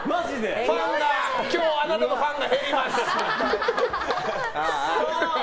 今日あなたのファンが減ります。